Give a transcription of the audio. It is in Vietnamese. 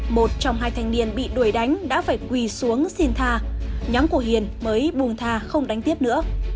một trong hai thanh niên bị đuổi đánh đã phải quỳ xuống xin tha nhóm của hiền mới bùn tha không đánh tiếp nữa